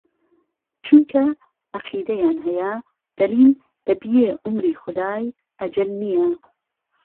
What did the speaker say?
چونکه ئەقیدهیان ههیه دهلين به بيێ عومری خودای ئهجەل نییه